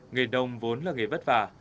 nghề nông vốn là nghề vất vả